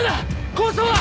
抗争は！